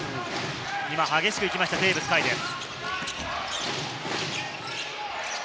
今、激しく行きました、テーブス海です。